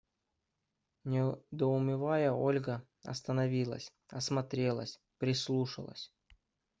Недоумевая, Ольга остановилась, осмотрелась, прислушалась.